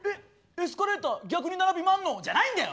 エスカレーター逆に並びまんの？じゃないんだよ！